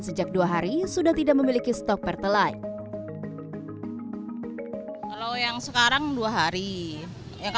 sejak dua hari sudah tidak memiliki stok pertalite kalau yang sekarang dua hari yang